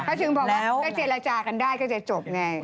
ถ้าถึงพอว่าได้เจรจากันได้ก็จะจบไง